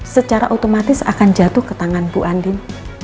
secara otomatis akan jatuh ke tangan bu andin